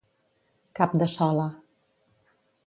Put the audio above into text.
Cap de sola.